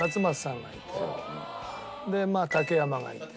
でまあ竹山がいて。